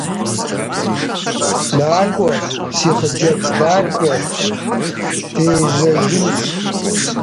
НакӀуэ, си хъыджэбз, накӀуэ, дежьэжынщ.